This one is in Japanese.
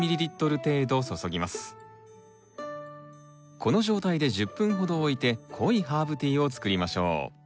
この状態で１０分ほどおいて濃いハーブティーを作りましょう。